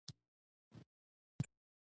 کلشپوره د حصارک په سیمه کې یوه لویه سیمه ده.